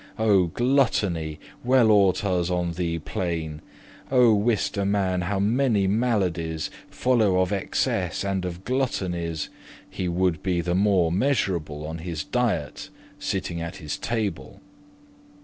O gluttony! well ought us on thee plain. Oh! wist a man how many maladies Follow of excess and of gluttonies, He woulde be the more measurable* *moderate Of his diete, sitting at his table.